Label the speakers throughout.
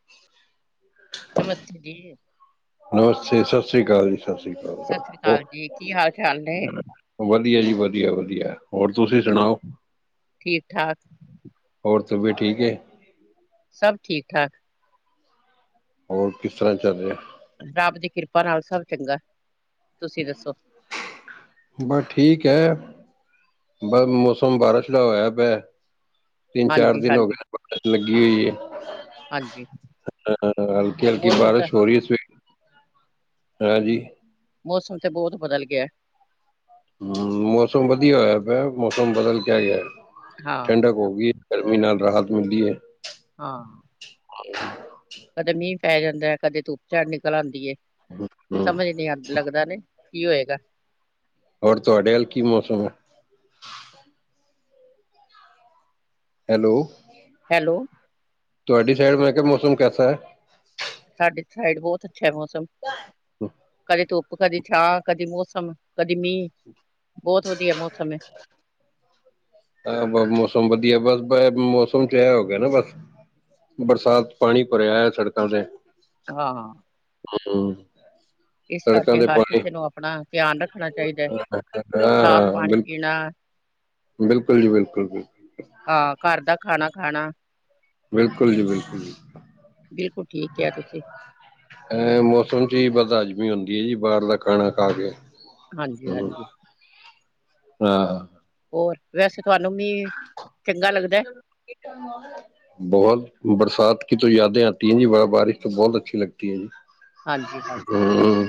Speaker 1: [inaudible] ਹਾਂ
Speaker 2: ਨਮਸਤੇ ਜੀ
Speaker 1: ਨਮਸਤੇ ਸਤਿ ਸ਼੍ਰੀ ਅਕਾਲ ਜੀ। [unintelligible] ਹੋਰ ਸੁਣਾਓ।
Speaker 2: ਸਤਿ ਸ੍ਰੀ ਅਕਾਲ ਜੀ ਕੀ ਹਾਲ ਚਾਲ ਨੇ?
Speaker 1: ਵਧੀਆ ਜੀ ਵਧੀਆ- ਵਧੀਆ ਹੋਰ ਤੁਸੀਂ ਸੁਣਾਓ?
Speaker 2: ਠੀਕ ਠਾਕ
Speaker 1: ਹੋਰ ਤਬੀਅਤ ਠੀਕ ਹੈ।
Speaker 2: ਸਭ ਠੀਕ ਠਾਕ
Speaker 1: ਹੋਰ ਕਿਸ ਤਰ੍ਹਾਂ ਚੱਲ ਰਿਹਾ
Speaker 2: ਰੱਬ ਦੀ ਕਿਰਪਾ ਨਾਲ ਸਭ ਚੰਗਾ ਤੁਸੀਂ ਦੱਸੋ?
Speaker 1: ਬਸ ਠੀਕ ਹੈ ਬਸ ਮੌਸਮ ਬਾਰਿਸ਼ ਦਾ ਹੋਇਆ ਪਿਆ [unintelligible] ਤਿੰਨ ਚਾਰ
Speaker 2: ਹਾਂਜੀ
Speaker 1: ਦਿਨ ਹੋ
Speaker 2: ਹਾਂਜੀ
Speaker 1: ਗਏ ਨੇ ਪਤਝੜ ਜਿਹੀ ਲੱਗੀ ਹੋਈ।
Speaker 2: ਹਾਂਜੀ,
Speaker 1: ਹਲਕੀ ਹਲਕੀ
Speaker 2: ਮੌਸਮ ਤਾਂ
Speaker 1: ਬਾਰਿਸ਼ ਹੋ ਰਹੀ ਹੈ ਸਵੇਰ ਦੀ ਹਾਂਜੀ
Speaker 2: ਮੌਸਮ ਤੇ ਬਹੁਤ ਬਦਲ ਗਿਆ
Speaker 1: ਹਮ ਮੌਸਮ ਵਧੀਆ ਹੋਇਆ ਪਾਇਆ ਮੌਸਮ ਬਦਲ ਕੇ ਗਿਆ
Speaker 2: ਹਾਂ
Speaker 1: ਠੰਡਕ ਹੋ ਗਈ। ਗਰਮੀ ਨਾਲ ਰਾਹਤ ਮਿਲਦੀ ਹੈ।
Speaker 2: ਹਾਂ ਕਦੇ ਮੀਂਹ ਪੈ ਜਾਂਦਾ ਹੈ, ਕਦੇ ਧੁੱਪ ਚਾੜ ਨਿਕਲ ਆਉਂਦੀ ਏ,
Speaker 1: ਹਮ
Speaker 2: ਸਮਝ ਨੀ ਆ ਲੱਗਦਾ ਨੇ ਕੀ ਹੋਏਗਾ
Speaker 1: ਹੋਰ ਤੁਹਾਡੇ ਵੱਲ ਕੀ ਮੌਸਮ ਹੈ। ਹੈਲੋ
Speaker 2: ਹੈਲੋ
Speaker 1: ਤੁਹਾਡੀ ਸਾਈਡ, ਮੈਂ ਕਿਹਾ ਮੌਸਮ ਕੈਸਾ ਹੈ।
Speaker 2: ਸਾਡੀ ਸਾਈਡ, ਬਹੁਤ ਅੱਛਾ ਹੈ ਮੌਸਮ।
Speaker 1: ਬਏ [unintelligible]
Speaker 2: ਕਦੇ ਧੁੱਪ, ਕਦੀ ਛਾਂ, ਕਦੀ ਮੌਸਮ, ਕਦੀ ਮੀਂਹ। ਬਹੁਤ ਵਧੀਆ ਮੌਸਮ ਹੈ।
Speaker 1: ਆਹ ਮੌਸਮ ਵਧੀਆ ਬਸ, ਮੌਸਮ ਚ ਇਹ ਹੋ ਗਿਆ ਨਾ ਬਸ ਬਰਸਾਤ, ਪਾਣੀ ਭਰਿਆ ਹੈ ਸੜਕਾਂ ਤੇ।
Speaker 2: ਹਾਂ
Speaker 1: ਹੈਲੋ
Speaker 2: ਇਸ
Speaker 1: ਸੜਕਾਂ
Speaker 2: ਕਰਕੇ
Speaker 1: ਤੇ
Speaker 2: ਹਰ
Speaker 1: ਪਾਣੀ',
Speaker 2: ਕਿਸੇ ਨੂੰ ਆਪਣਾ ਧਿਆਨ ਰੱਖਣਾ ਚਾਹੀਦਾ, ਹੈ, ਸਾਫ਼
Speaker 1: ਹਾਂ-ਹਾਂ
Speaker 2: ਪਾਣੀ
Speaker 1: ਬਿਲਕੁਲ
Speaker 2: ਪੀਣਾ
Speaker 1: ਬਿਲਕੁਲ ਜੀ ਬਿਲਕੁਲ-ਬਿਲਕੁਲ
Speaker 2: ਹਾਂ, ਘਰ ਦਾ ਖਾਣਾ-ਖਾਣਾ
Speaker 1: ਬਿਲਕੁਲ ਜੀ, ਬਿਲਕੁਲ ਜੀ
Speaker 2: ਬਿਲਕੁਲ ਠੀਕ ਕੇਹਾ ਤੁਸੀਂ
Speaker 1: ਅ'ਮੌਸਮ ਚ ਹੀ ਬਦ ਹਜ਼ਮੀ ਹੁੰਦੀ ਹੈ ਜੀ, ਬਾਹਰ ਦਾ ਖਾਣਾ ਖਾ ਕੇ
Speaker 2: ਹਾਂਜੀ ਹਾਂਜੀ
Speaker 1: ਹਾਂ
Speaker 2: ਹੋਰ, ਵੈਸੇ ਤੁਹਾਨੂੰ ਵੀ, ਚੰਗਾ ਲੱਗਦਾ
Speaker 1: ਬਹੁਤ, ਬਰਸਾਤ ਕੀ ਤੋ ਯਾਦੇ ਆਤੀ ਐ ਜੀ, ਬਾਹਰ ਬਾਰਿਸ਼ ਤੋ ਬਹੁਤ ਅੱਛੀ ਲਗਦੀ ਦਿਲ
Speaker 2: ਹਾਂਜੀ ਹਾਂਜੀ
Speaker 1: ਹਾ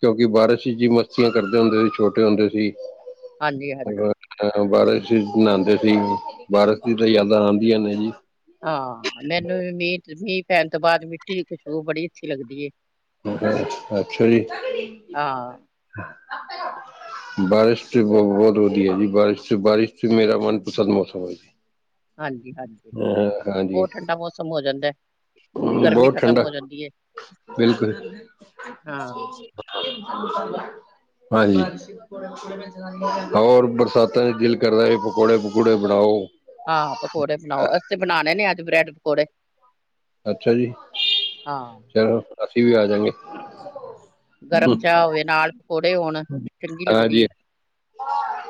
Speaker 1: ਕਿਉਂਕਿ ਬਾਰਿਸ਼ ਚ' ਜੀ ਮਸਤੀਆਂ ਕਰਦੇ ਹੁੰਦੇ ਸੀ, ਛੋਟੇ ਹੁੰਦੇ ਸੀ।
Speaker 2: ਹਾਂਜੀ-ਹਾਂਜੀ
Speaker 1: ਹਾਂ ਹਾਂ ਬਾਰਿਸ਼ ਇਚ ਨਾਉਂਦੇ ਸੀ, ਬਾਰਿਸ਼ ਦੀ ਤਾਂ ਯਾਦਾਂ ਆਉਂਦੀਆਂ ਨੇ ਜੀ
Speaker 2: ਹਾਂ, ਮੈਨੂੰ ਵੀ ਮੀਂਹ-ਮੀਂਹ ਪੈਣ ਤੋਂ ਬਾਅਦ ਮਿੱਟੀ ਦੀ ਖੁਸ਼ਬੂ ਬੜੀ ਅੱਛੀ ਲੱਗਦੀ
Speaker 1: ਅੱਛਾ ਜੀ
Speaker 2: ਹਾਂ
Speaker 1: ਬਾਰਿਸ਼ ਤੇ ਬ ਬਹੁਤ ਵਧੀਆ ਜੀ, ਬਾਰਿਸ਼ ਚ' ਬਾਰਿਸ਼ ਚ' ਮੇਰਾ ਮਨਪਸੰਦ ਮੌਸਮ ਹੈ ਜੀ
Speaker 2: ਹਾਂਜੀ-ਹਾਂਜੀ,
Speaker 1: ਅ
Speaker 2: ਬਹੁਤ ਠੰਡਾ ਮੌਸਮ ਹੋ ਜਾਂਦਾ
Speaker 1: ਹੂ
Speaker 2: ਗਰਮੀ
Speaker 1: ਬਹੁਤ
Speaker 2: ਖਤਮ
Speaker 1: ਠੰਡਾ
Speaker 2: ਹੋ
Speaker 1: ਐ,
Speaker 2: ਜਾਂਦੀ ਹੈ
Speaker 1: ਬਿਲਕੁਲ
Speaker 2: ਹਾਂ
Speaker 1: ਹਾਂਜੀ ਹੋਰ, ਬਰਸਾਤਾਂ ਚ' ਦਿਲ ਕਰਦਾ ਵੀ ਪਕੌੜੇ-ਪਕੂੜੇ ਬਣਾਓ
Speaker 2: ਹਾਂ, ਪਕੌੜੇ ਬਣਾਓ ਅਸੀਂ ਤੇ ਬਣਾਉਣੇ ਨੇ ਅੱਜ ਬ੍ਰੈਡ ਪਕੌੜੇ
Speaker 1: ਅੱਛਾ ਜੀ,
Speaker 2: ਹਾਂ
Speaker 1: ਚਲੋ ਅਸੀਂ ਵੀ ਆ ਜਾਂਗੇ
Speaker 2: ਗਰਮ ਚਾਹ ਹੋਵੇ, ਨਾਲ ਪਕੌੜੇ ਹੋਣ, ਚੰਗੀ ਲੱਗਦੀ ਏ।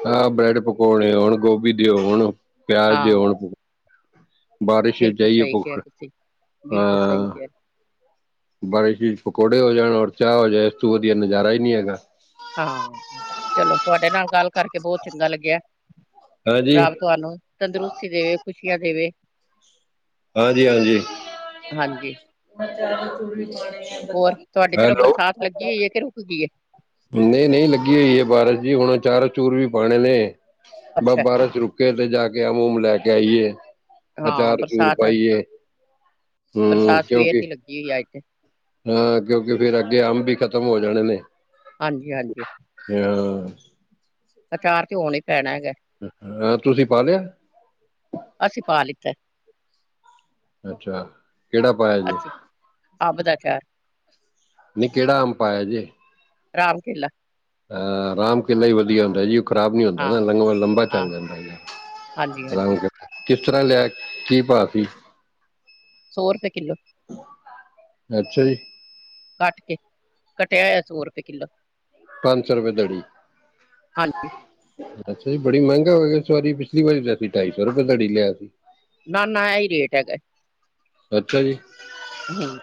Speaker 1: ਹਾਂ ਬ੍ਰੈਡ ਪਕੌਣੇ ਹੋਣ, ਗੋਭੀ ਦੇ ਹੋਣ, ਪਿਆਜ ਦੇ
Speaker 2: ਹਾਂ
Speaker 1: ਹੋਣ ਬਾਰਿਸ਼ ਇਚ
Speaker 2: ਬਿਲਕੁਲ
Speaker 1: ਅਹਿਯੋ
Speaker 2: ਸਹੀ ਕਿਹਾ
Speaker 1: ਭੁੱਖ,
Speaker 2: ਤੁਸੀਂ ਬਿਲਕੁਲ ਸਹੀ
Speaker 1: ਅ
Speaker 2: ਕਿਹਾ
Speaker 1: ਬਾਰਿਸ਼ ਵਿਚ ਪਕੌੜੇ ਹੋ ਜਾਣ, ਔਰ ਚਾਹ ਹੋ ਜਾਏ, ਇਸ ਤੋਂ ਵਧੀਆ ਨਜ਼ਾਰਾ ਹੀ ਨਹੀਂ ਹੈਗਾ।
Speaker 2: ਹਾਂ', ਚਲੋ ਤੁਹਾਡੇ ਨਾਲ ਗੱਲ ਕਰਕੇ ਬਹੁਤ ਚੰਗਾ ਲੱਗਿਆ
Speaker 1: ਹਾਂਜੀ
Speaker 2: ਰਬ' ਤੁਹਾਨੂੰ ਤੰਦਰੁਸਤੀ ਦੇਵੇ, ਖ਼ੁਸ਼ੀਆਂ ਦੇਵੇ
Speaker 1: ਹਾਂਜੀ-ਹਾਂਜੀ
Speaker 2: ਹਾਂਜੀ ਹੋਰ ਤੁਹਾਡੀ ਤਰਫ
Speaker 1: ਹੈਲੋ
Speaker 2: ਬਰਸਾਤ ਲੱਗੀ ਹੋਈ ਹੈ ਕਿ ਰੁਕ ਗਈ ਹੈ
Speaker 1: ਨਹੀਂ-ਨਹੀਂ ਲੱਗੀ ਹੋਈ ਹੈ ਬਾਰਸ਼ ਜੀ, ਹੁਣ ਅਚਾਰ ਅਚੂਰ ਵੀ ਪਾਣੇ ਨੇ
Speaker 2: ਅੱਛਾ
Speaker 1: ਬ'ਬਾਰਸ਼ ਰੁਕੇ ਤੇ ਜਾ ਕੇ ਆਮ ਉਮ ਲੈ ਕੇ ਆਈਏ,
Speaker 2: ਹਾਂ
Speaker 1: ਅਚਾਰ ਅਚੂਰ
Speaker 2: ਬਰਸਾਤ ਅੱਜ
Speaker 1: ਪਾਈਏ, ਹੂ ਕਿਉਂਕਿ
Speaker 2: ਏ ਹੀ ਰਾਈਟ ਐ
Speaker 1: ਹਾਂ, ਕਿਉਂਕਿ ਫੇਰ ਅੱਗੇ ਅੰਬ ਵੀ ਖ਼ਤਮ ਹੋ ਜਾਣੇ ਨੇ
Speaker 2: ਹਾਂਜੀ-ਹਾਂਜੀ
Speaker 1: [unintelligible]
Speaker 2: ਅਚਾਰ ਤੇ ਹੁਨੇ ਈ ਪੈਣਾ ਹੈਗੈ।
Speaker 1: ਆਪ ਤੁਸੀ ਪਾ ਲਿਐ?
Speaker 2: ਅਸੀਂ ਪਾ ਲਿੱਤੈ।
Speaker 1: ਅੱਛਾ, ਕੇੜਾ ਪਾਇਆ ਜੇ?
Speaker 2: ਅਸੀਂ ਅੰਬ ਦਾ ਅਚਾਰ
Speaker 1: ਨੀ ਕੇੜਾ ਅੰਬ ਪਾਇਆ ਜੇ?
Speaker 2: ਰਾਮ ਕੇਲਾ।
Speaker 1: ਅ ਰਾਮ ਕੇਲਾ ਈ ਵਧੀਆ ਹੁੰਦੈ ਜੀ। ਖ਼ਰਾਬ ਨੀ ਹੁੰਦਾ
Speaker 2: ਹਾਂ
Speaker 1: ਨਾ, ਮੈਂਗੋ ਐ ਲੰਬਾ
Speaker 2: ਹਾਂ
Speaker 1: ਚੱਲ ਜਾਂਦਾ
Speaker 2: ਹਾਂਜੀ ਹਾਂਜੀ
Speaker 1: ਏ। ਕਿਸ ਤਰ੍ਹਾਂ ਲਿਐ? ਕੀ ਭਾਅ ਸੀ?
Speaker 2: ਸੌ ਰੁਪਏ ਕਿੱਲੋ।
Speaker 1: ਅੱਛਾ ਜੀ।
Speaker 2: ਕੱਟ ਕੇ, ਕੱਟਿਆ ਹੋਇਆ ਸੌ ਰੁਪਏ ਕਿੱਲੋ।
Speaker 1: ਪੰਜ ਸੌ ਰੁਪਏ ਧੜੀ।
Speaker 2: ਹਾਂਜੀ
Speaker 1: ਅੱਛਾ ਜੀ, ਬੜੀ ਮਹਿੰਗੇ ਹੋ ਗਏ ਇਸ ਵਾਰੀ। ਪਿਛਲੀ ਵਾਰੀ ਜਦ ਕਿ ਢਾਈ ਸੌ ਰੁਪਏ ਧੜੀ ਲਿਆਇਆ ਸੀ।
Speaker 2: ਨਾ-ਨਾ ਐ ਈ ਰੇਟ ਹੈਗੈ,
Speaker 1: ਅੱਛਾ ਜੀ
Speaker 2: ਹੂੰ।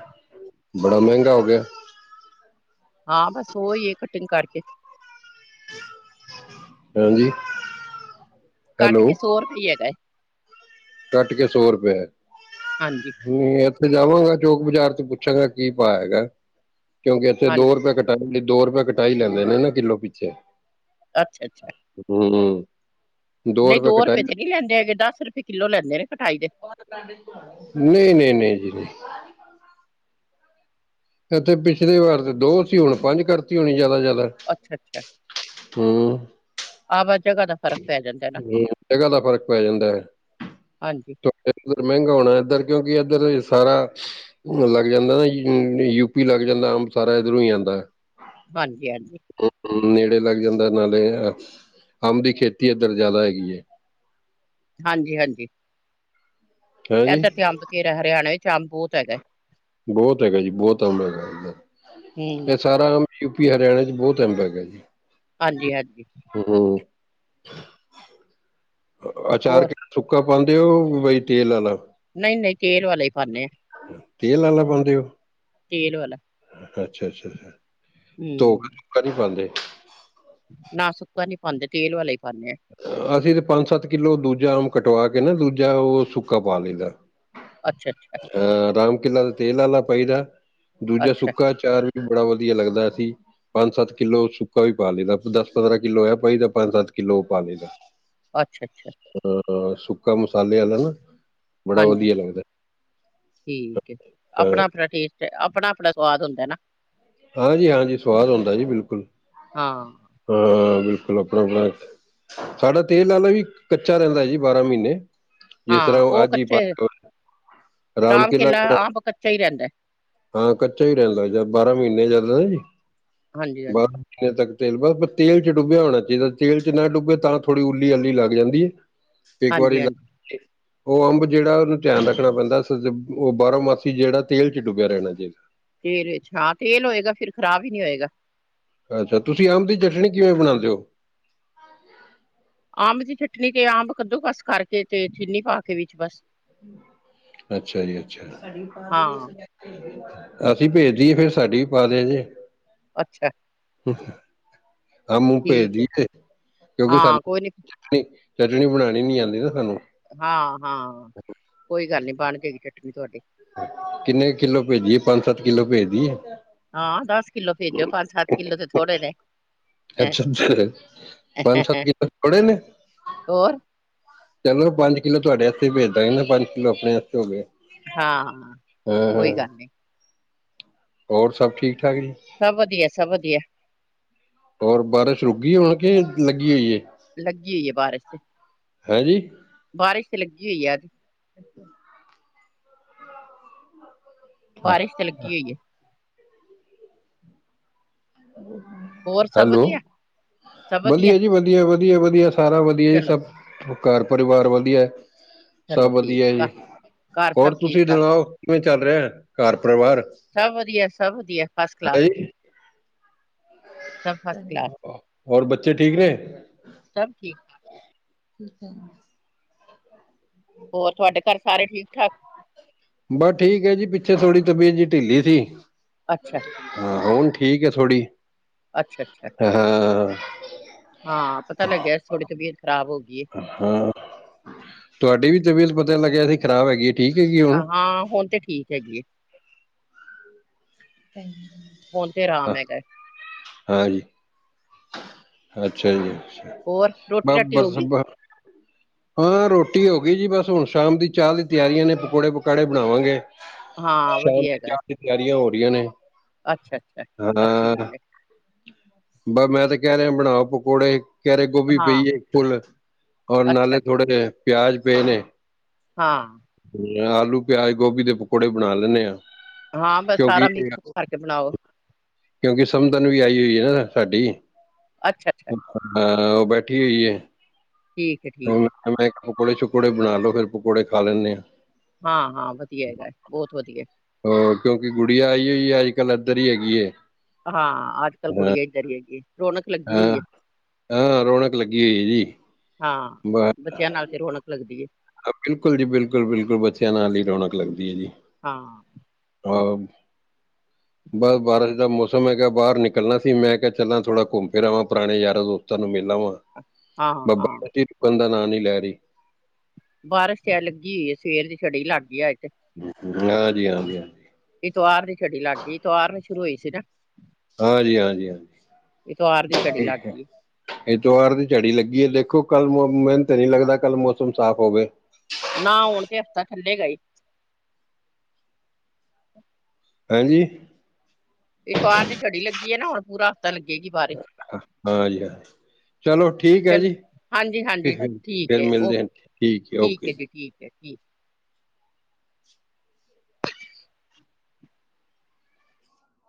Speaker 1: ਬੜਾ ਮਹਿੰਗਾ ਹੋ ਗਿਐ।
Speaker 2: ਹਾਂ ਬਸ ਸੋ ਈ ਐ ਕਟਿੰਗ ਕਰਕੇ।
Speaker 1: ਹੋਰ ਜੀ?
Speaker 2: ਕੱਟ ਕੇ ਸੌ ਰੁਪਏ ਹੈਗਾ ਐ।
Speaker 1: ਕੱਟ ਕੇ ਸੌ ਰੁਪਏ ਐ।
Speaker 2: ਹਾਂਜੀ
Speaker 1: ਨਈ ਇੱਥੇ ਜਾਵਾਂਗਾ ਚੌਕ ਬਜ਼ਾਰ 'ਚ ਪੁੱਛਾਂਗਾ ਕੀ ਭਾਅ ਹੈਗੈ ਕਿਉਂਕਿ ਇੱਥੇ
Speaker 2: ਹਾਂਜੀ
Speaker 1: ਦੋ ਰੁਪਏ ਕੱ ਟ ਕੇ ਦੋ ਰੁਪਏ ਕਟਾਈ ਲੈਂਦੇ ਨੇ ਨਾ ਕਿੱਲੋ ਪਿੱਛੇ।
Speaker 2: ਅੱਛਾ-ਅੱਛਾ।
Speaker 1: ਹੂੰ।
Speaker 2: ਨਈ ਦੋ ਰੁਪਏ ਤੇ ਨੀ ਲੈਂਦੇ ਹੈਗੇ। ਦਸ ਰੁਪਏ ਕਿੱਲੋ ਲੈਂਦੇ ਨੇ, ਕਟਾਈ ਦੇ।
Speaker 1: ਨਈ-ਨਈ-ਨਈ, ਜੀ ਨਈ। ਜਦਕਿ ਪਿਛਲੀ ਵਾਰ ਤੇ ਦੋ ਸੀ, ਹੁਣ ਪੰਜ ਕਰਤੀ ਹੋਣੀ ਜਿਆਦਾ ਤ ਜਿਆਦਾ।
Speaker 2: ਅੱਛਾ-ਅੱਛਾ, ਆ ਵੈ ਜਗਾ ਦਾ ਫ਼ਰਕ ਪੈ ਜਾਂਦਾ ਨਾ
Speaker 1: ਜਗਾ ਦਾ ਫ਼ਰਕ ਪੈ ਜਾਂਦੈ।
Speaker 2: ਹਾਂਜੀ,
Speaker 1: ਏਧਰ ਮਹਿੰਗਾ ਹੋਣੈ ਏਧਰ ਕਿਉਂਕਿ ਇੱਧਰ ਸਾਰਾ ਬੁਰ ਲੱਗ ਜਾਂਦਾ ਨੈ [unintelligible] ਯੂਪੀ ਲੱਗ ਜਾਂਦੈ ਅੰਬ ਸਾਰਾ ਇਧਰੋਂ ਈ ਆਂਦੈ।
Speaker 2: ਹਾਂਜੀ-ਹਾਂਜੀ।
Speaker 1: ਨੇੜੇ ਲੱਗ ਜਾਂਦੈ ਨਾਲੇ ਅੰਬ ਦੀ ਖੇਤੀ ਏਧਰ ਜ਼ਿਆਦਾ ਹੈਗੀ ਏ।
Speaker 2: ਹਾਂਜੀ-ਹਾਂਜੀ।
Speaker 1: ਹੈਂ ਜੀ
Speaker 2: ਐਧਰ ਤੇ ਅੰਬ ਬਥੇਰੈ। ਹਰਿਆਣੇ ਇੱਚ ਅੰਬ ਬਹੋਤ ਹੈਗੈ।
Speaker 1: ਬੋਹਤ ਹੈਗਾ ਜੀ, ਬੋਹਤ ਅੰਬ ਹੈਗੈ ਇੱਧਰ। ਐ
Speaker 2: ਹੂੰ
Speaker 1: ਸਾਰਾ ਯੂ ਪੀ ਹਰਿਆਣੇ 'ਚ ਬੋਤ ਅੰਬ ਹੈਗਾ ਜੀ।
Speaker 2: ਹਾਂਜੀ-ਹਾਂਜੀ।
Speaker 1: ਹੰ, ਹੂੰ। ਅ ਅਚਾਰ
Speaker 2: ਹੋਰ
Speaker 1: ਕਿ ਸੁੱਕਾ ਪਾਂਦੇ ਔ ਬਈ ਤੇਲ ਆਲਾ।
Speaker 2: ਨਈ-ਨਈ ਤੇਲ ਵਾਲਾ ਈ ਪਾਂਨੇ ਆ।
Speaker 1: ਤੇਲ ਆਲਾ ਪਾਂਦੇ ਔ?
Speaker 2: ਤੇਲ ਵਾਲਾ।
Speaker 1: ਅੱਛਾ-ਅੱਛਾ-ਅੱਛਾ ਧੋ ਕੇ
Speaker 2: ਹੂੰ
Speaker 1: ਸੁੱਕਾ ਨੀ ਪਾਂਦੇ?
Speaker 2: ਨਾ ਸੁੱਕਾ ਨੀ ਪਾਂਦੇ, ਤੇਲ ਵਾਲਾ ਈ ਪਾਂਨੇ ਆ।
Speaker 1: ਅਸੀ ਤੇ ਪੰਜ-ਸੱਤ ਕਿੱਲੋ ਦੂਜਾ ਅੰਬ ਕਟਵਾ ਕੇ ਨਾ ਦੂਜਾ ਔ ਸੁੱਕਾ ਪਾ ਲਈਦੈ।
Speaker 2: ਅੱਛਾ-ਅੱਛਾ।
Speaker 1: ਅ ਰਾਮ ਕੇਲਾ ਤੇ ਤੇਲ ਆਲਾ ਪਾਈਦੈ, ਦੂਜਾ
Speaker 2: ਅੱਛਾ,
Speaker 1: ਸੁੱਕਾ ਬੜਾ ਵਧੀਆ ਲੱਗਦਾ ਸੀ ਪੰਜ ਸੱਤ ਕਿੱਲੋ ਸੁੱਕਾ ਵੀ ਪਾ ਲਈਦੈ ਦਸ ਪੰਦਰਾਂ ਕਿੱਲੋ ਇਹ ਪਾਈਦੈ ਪੰਜ ਸੱਤ ਕਿੱਲੋ ਉਹ ਪਾ ਲਈਦੈ
Speaker 2: ਅੱਛਾ ਅੱਛਾ
Speaker 1: ਹਾਂ ਹਾਂ ਸੁੱਕਾ ਮਸਾਲੇ ਆਲਾ ਨਾ ਬੜਾ
Speaker 2: ਹਾਂਜੀ
Speaker 1: ਵਧੀਆ ਲੱਗਦੈ।
Speaker 2: ਠੀਕ ਹੈ
Speaker 1: ਹਾਂ
Speaker 2: ਆਪਣਾ ਆਪਣਾ ਟੇਸਟ ਐ ਆਪਣਾ ਆਪਣਾ ਸਵਾਦ ਹੁੰਦੈ ਨਾ।
Speaker 1: ਹਾਂਜੀੀ ਹਾਂਜੀ ਸਵਾਦ ਹੁੰਦਾ ਜੀ ਬਿਲਕੁਲ
Speaker 2: ਹਾਂ,
Speaker 1: ਹਾਂ ਬਿਲਕੁਲ ਆਪਣਾ ਆਪਣਾ ਸਾਡਾ ਤੇਲ ਆਲਾ ਵੀ ਕੱਚਾ ਰਹਿੰਦੈ ਜੀ ਬਾਰਾਂ ਮਹੀਨੇ ਜਿਸ
Speaker 2: ਹਾਂ
Speaker 1: ਤਰ੍ਹਾਂ
Speaker 2: ਉਹ
Speaker 1: ਅੱਜ ਹੀ
Speaker 2: ਕੱਚੇ
Speaker 1: ਰਾਮ ਕਿਲਾ
Speaker 2: ਓਹ ਕੱਚਾ ਹੀ ਰਹਿੰਦੈ।
Speaker 1: ਹਾਂ ਕੱਚਾ ਹੀ ਰਹਿੰਦੈ ਜ ਬਾਰਾਂ ਮਹੀਨੇ ਚੱਲਦਾ ਜੀ
Speaker 2: ਹਾਂਜੀ-ਹਾਂਜੀ
Speaker 1: ਬਾਰਾਂ ਕਿੰਨੇ ਤੱਕ ਤੇਲ ਬ ਤੇਲ ਚ ਡੁੱਬਿਆ ਹੋਣਾ ਚਾਹੀਦੈ ਤੇਲ ਚ ਨਾ ਡੁਬੇ ਤਾਂ ਥੋੜੀ ਉੱਲੀ ਅੱਲੀ ਲੱਗ ਜਾਂਦੀ ਏ। ਇੱਕ
Speaker 2: ਹਾਂਜੀ
Speaker 1: ਵਾਰੀ ਲ
Speaker 2: ਹਾਂਜੀ
Speaker 1: ਉਹ ਅੰਬ ਜਿਹੜਾ ਉਹਨੂੰ ਧਿਆਨ ਰੱਖਣਾ ਪੈਂਦਾ ਉਹ ਬਾਹਰੋਂ ਮਾਸੀ ਜਿਹੜਾ ਤੇਲ ਚ ਡੁੱਬਿਆ ਰਹਿਣਾ ਚਾਹੀਦੈ।
Speaker 2: ਤੇਲ ਵਿੱਚ ਹਾਂ ਤੇਲ ਹੋਏਗਾ ਫਿਰ ਖਰਾਬ ਹੀ ਨੀ ਹੋਏਗਾ
Speaker 1: ਅੱਛਾ ਤੁਸੀਂ ਅੰਬ ਦੀ ਚਟਣੀ ਕਿਵੇਂ ਬਣਾਉਂਦੇ ਹੋ
Speaker 2: ਆੰਬ ਦੀ ਚਟਨੀ ਤੇ ਆੰਬ ਕੱਦੋ ਕਸ ਕਰਕੇ ਤੇ ਚੀਨੀ ਪਾ ਕੇ ਵਿੱਚ ਬਸ
Speaker 1: ਅੱਛਾ ਜੀ ਅੱਛਾ
Speaker 2: ਹਾਂ
Speaker 1: ਅਸੀਂ ਭੇਜਦੀਏ ਫੇਰ ਸਾਡੀ ਵੀ ਪਾ ਦਿਆ ਜੇ
Speaker 2: ਅੱਛਾ।
Speaker 1: ਆਮ ਉਮ
Speaker 2: ਠੀਕ ਹੈ
Speaker 1: ਭੇਜਦੀਏ ਕਿਉਂਕਿ
Speaker 2: ਹਾਂ ਕੋਈ ਨੀ
Speaker 1: ਸਾਨੂੰ ਚਟਨੀ ਬਣਾਣੀ ਨੀ ਆਂਦੀ ਨਾ ਸਾਨੂੰ
Speaker 2: ਹਾਂ, ਹਾਂ ਕੋਈ ਗੱਲ ਨੀ ਬਣ ਜੇਗੀ ਚਟਨੀ ਤੁਹਾਡੀ
Speaker 1: ਕਿੰਨੇ ਕ ਕਿੱਲੋ ਭੇਜੀਏ ਪੰਜ ਸੱਤ ਕਿੱਲੋ ਭੇਜ ਦੀਏ।
Speaker 2: ਹਾਂ ਦਸ ਕਿੱਲੋ ਭੇਜੋ ਪੰਜ ਸੱਤ ਕਿੱਲੋ ਤੇ ਥੋੜੇ ਨੇ
Speaker 1: ਅੱਛਾ, ਅੱਛਾ ਪੰਜ ਸੱਤ ਕਿਲੋ ਥੋੜੇ ਨੇ
Speaker 2: ਹੋਰ
Speaker 1: ਚਲੋ ਪੰਜ ਕਿੱਲੋ ਤੁਹਾਡੇ ਵਾਸਤੇ ਭੇਜ ਦਾਗੇ ਨਾ ਪੰਜ ਕਿੱਲੋ ਆਪਣੇ ਵਾਸਤੇ ਹੋਗੇ।
Speaker 2: ਹਾਂ ਕੋਈ ਗੱਲ ਨਹੀਂ
Speaker 1: ਹੋਰ ਸਭ ਠੀਕ- ਠਾਕ ਜੀ।
Speaker 2: ਸਭ ਵਧੀਆ ਸਭ ਵਧੀਆ।
Speaker 1: ਔਰ ਬਾਰਿਸ਼ ਰੁਕੀ ਹੋਣ ਕਿ ਲੱਗੀ ਹੋਈ ਏ
Speaker 2: ਲੱਗੀ ਹੋਈ ਏ ਬਾਰਿਸ਼ ਤੇ
Speaker 1: ਹੈਂ ਜੀ
Speaker 2: ਬਾਰਿਸ਼ ਤੇ ਲੱਗੀ ਹੋਈ ਏ ਅੱਜ।
Speaker 1: ਅੱਛਾ [unintelligible]
Speaker 2: ਬਾਰਿਸ਼ ਤੇ ਲੱਗੀ ਹੋਈ ਏ। ਹੋਰ ਸਭ
Speaker 1: ਹੈਲੋ।
Speaker 2: ਵਧੀਆ
Speaker 1: ਵਧੀਆ ਜੀ ਵਧੀਆ, ਵਧੀਆ, ਵਧੀਆ ਸਾਰਾ ਵਧੀਆ ਜੀ
Speaker 2: ਚਲੋ
Speaker 1: ਸਭ ਉਹ ਘਰ ਪਰਿਵਾਰ ਵਧੀਆ
Speaker 2: ਚਲੋ
Speaker 1: ਸਭ
Speaker 2: ਠੀਕ
Speaker 1: ਵਧੀਆ ਜੀ
Speaker 2: ਆ।
Speaker 1: ਹੋਰ ਤੁਸੀਂ ਸੁਣਾਓ, ਕਿਵੇਂ ਚੱਲ ਰਿਹੈ ਘਰ ਪਰਿਵਾਰ?
Speaker 2: ਸਭ ਵਧੀਆ ਸਭ ਵਧੀਆ ਫਸ ਕਲਾਸ।
Speaker 1: ਹੈ [inaudible]
Speaker 2: ਸਭ ਫਸਟ ਕਲਾਸ।
Speaker 1: ਹੋਰ ਬੱਚੇ ਠੀਕ ਨੇ
Speaker 2: ਸਭ ਠੀਕ।
Speaker 1: ਠੀਕ ਹੈ। [inaudible]
Speaker 2: ਹੋਰ ਤੁਹਾਡੇ ਘਰ ਸਾਰੇ ਠੀਕ- ਠਾਕ
Speaker 1: ਬਸ ਠੀਕ ਹੈ ਜੀ, ਪਿੱਛੇ ਥੋੜ੍ਹੀ ਤਬੀਅਤ ਜਹੀ ਢਿੱਲੀ ਸੀ।
Speaker 2: ਅੱਛਾ
Speaker 1: ਹਾਂ ਹੁਣ ਠੀਕ ਐ ਥੋੜ੍ਹੀ
Speaker 2: ਅੱਛਾ ਅੱਛਾ
Speaker 1: ਹ ਹ ਹ।
Speaker 2: ਹਾਂ ਪਤਾ ਲੱਗਿਆ ਥੋੜ੍ਹੀ ਤਬੀਅਤ ਖਰਾਬ ਹੋ ਗਈਏ।
Speaker 1: ਹਾਂ, ਤੁਹਾਡੀ ਵੀ ਤਬੀਅਤ ਪਤਾ ਲੱਗਿਆ ਸੀ ਖ਼ਰਾਬ ਹੈਗੀ ਏ।
Speaker 2: ਹਾਂ ਹੁਣ ਤੇ ਠੀਕ ਹੈਗੀ ਏ। ਹੁਣ ਤੇ
Speaker 1: ਹਾਂ
Speaker 2: ਆਰਾਮ ਹੈਗਾ ਹੈ।
Speaker 1: ਹਾਂਜੀ। ਅੱਛਾ ਜੀ ਅੱਛਾ
Speaker 2: ਹੋਰ ਰੋਟੀ ਰਾਟੀ ਹੋ
Speaker 1: ਬਸ
Speaker 2: ਗਈ
Speaker 1: ਬਰਸ ਹਾਂ ਰੋਟੀ ਹੋ ਗਈ ਜੀ ਬਸ ਹੁਣ ਸ਼ਾਮ ਦੀ ਚਾਹ ਦੀ ਤਿਆਰੀਆਂ ਨੇ ਪਕੌੜੇ, ਪਕੌੜੇ ਬਣਾਵਾਂਗੇ।
Speaker 2: ਹਾਂ
Speaker 1: ਸ਼ਾਮ
Speaker 2: ਵਧੀਆ
Speaker 1: ਦੀ
Speaker 2: ਹੈਗਾ ਹੈ।
Speaker 1: ਚਾਹ ਦੀ ਤਿਆਰੀਆਂ ਹੋ ਰਹੀਆਂ ਨੇ
Speaker 2: ਅੱਛਾ, ਅੱਛਾ ਅੱਛੀ ਗੱਲ ਹੈ।
Speaker 1: ਬਸ ਮੈਂ ਤੇ ਕਹਿ ਰਿਹਾ ਬਣਾਓ ਪਕੌੜੇ ਕਹਿ ਰਹੇ ਨੇ ਗੋਭੀ
Speaker 2: ਹਾਂ
Speaker 1: ਪਈਏ ਇੱਕ ਫੁੱਲ ਔਰ
Speaker 2: ਅੱਛਾ
Speaker 1: ਨਾਲੇ ਥੋੜੇ ਪਿਆਜ ਪਏ ਨੇ
Speaker 2: ਹਾਂ।
Speaker 1: ਆਲੂ, ਪਿਆਜ, ਗੋਭੀ ਦੇ ਪਕੌੜੇ ਬਣਾ ਲੈਂਦੇ ਆ।
Speaker 2: ਹਾਂ ਬਸ ਸਾਰਾ ਮਿਕਸ ਕਰਕੇ ਬਣਾਓ
Speaker 1: ਕਿਉਂਕਿ ਸਮਦਨ ਵੀ ਆਈ ਹੋਈ ਹੈ ਨਾ ਸਾਡੀ,
Speaker 2: ਅੱਛਾ ਅੱਛਾ
Speaker 1: ਹਾਂ ਉਹ ਬੈਠੀ ਹੋਈ
Speaker 2: ਠੀਕ
Speaker 1: ਹੈ।
Speaker 2: ਠੀਕ ਹੈ, ਠੀਕ ਹੈ
Speaker 1: ਮੈਂ ਮੈਂ ਪਕੌੜੇ ਸ਼ਕੌੜੇ ਬਣਾ ਲੋ, ਫਿਰ ਪਕੌੜੇ ਖਾ ਲੈਂਦੇ ਹਾਂ।
Speaker 2: ਹਾਂ, ਹਾਂ ਵਧੀਆ ਹੈਗਾ ਬਹੁਤ ਵਧੀਆ।
Speaker 1: ਹੋਰ ਕਿਉਂਕਿ ਗੁੜੀਆਂ ਆਈ ਹੋਈ ਅੱਜ ਕੱਲ ਇੱਧਰ ਹੀ ਹੈਗੀ ਏ।
Speaker 2: ਹਾਂ ਅਜ ਕੱਲ ਕੁੜੀਆ ਇਧਰ ਹੀ ਹੈਗੀ ਰੌਣਕ ਲੱਗੀ ਹੋਈ ਹੈ
Speaker 1: ਹਾਂ? ਹਾਂ, ਰੌਣਕ ਲੱਗੀ ਹੋਈ ਏ ਜੀ।
Speaker 2: ਹਾਂ, ਬੱਚਿਆਂ ਨਾਲ ਫਿਰ ਰੌਣਕ ਲੱਗਦੀ ਏ।
Speaker 1: ਆ-ਬਿਲਕੁਲ ਜੀ ਬਿਲਕੁਲ-ਬਿਲਕੁਲ, ਬੱਚਿਆਂ ਨਾਲ ਹੀ ਰੌਣਕ ਲੱਗਦੀ ਏ ਜੀ।
Speaker 2: ਹਾਂ
Speaker 1: ਆ ਬਸ ਬਾਰਿਸ਼ ਦਾ ਮੌਸਮ ਹੈਗਾ ਬਾਹਰ ਨਿਕਲਣਾ ਸੀ, ਮੈਂ ਕਿਹਾ ਚੱਲਣਾ ਥੋੜ੍ਹਾ ਘੁੰਮ ਫਿਰ ਆਵਾਂ ਪੁਰਾਣੇ ਯਾਰਾਂ ਦੋਸਤਾਂ ਤੁਹਾਨੂੰ ਮਿਲ ਆਵਾਂ।
Speaker 2: ਹਾਂ ਹਾਂ
Speaker 1: ਬਾ-ਬਾਰਿਸ਼ ਹੀ ਰੁਕਣ ਦਾ ਨਾਂ ਨਈ ਲੈ ਰਹੀ।
Speaker 2: ਬਾਰਿਸ਼ ਖੈਰ ਲਗੀ ਹੂਈ ਏ ਸਵੇਰ ਦੀ ਛੜੀ ਲੱਗ ਗਿਆ ਤੇ।
Speaker 1: ਹਾਂਜੀ-ਹਾਂਜੀ-ਹਾਂ
Speaker 2: ਐਤਵਾਰ ਦੀ ਛੜੀ ਲੱਗ ਗਈ, ਐਤਵਾਰ ਨੂੰ ਸ਼ੁਰੂ ਹੋਈ ਸੀ ਨਾ। ਇਤਵਾਰ ਦੀ ਛੜੀ
Speaker 1: ਹਾਂਜੀ-ਹਾਂਜੀ-ਹਾਂਜੀ
Speaker 2: ਲੱਗ ਗਈ ਏ।
Speaker 1: ਐਤਵਾਰ ਦੀ ਝੜੀ ਲੱਗੀ ਏ ਦੇਖੋ ਕੱਲ ਮੋ-ਮ-ਮੈਨ੍ਹ ਤੇ ਨੀ ਲੱਗਦਾ ਕੱਲ ਮੌਸਮ ਸਾਫ਼ ਹੋਵੇ
Speaker 2: ਨਾ ਆਉਣ ਤੇ ਹਫ਼ਤਾ ਖੁਲੇਗਾ ਹੀ।
Speaker 1: ਹਾਂਜੀ‍?
Speaker 2: ਐਤਵਾਰ ਦੀ ਝੜੀ ਲੱਗੀ ਏ ਨਾ ਹੁਣ ਪੂਰਾ ਪਤਾ ਲੱਗੇਗੀ ਬਾ
Speaker 1: ਹਾਂਜੀ, ਹਾਂਜੀ ਚਲੋ ਠੀਕ ਹੈ
Speaker 2: ਚਲੋ
Speaker 1: ਜੀ,
Speaker 2: ਹਾਂਜੀ ਹਾਂਜੀ ਠੀਕ
Speaker 1: ਫਿਰ ਮਿਲਦੇ ਹ ਠੀਕ ਓਕੇ ਜੀ।
Speaker 2: ਏਕੀ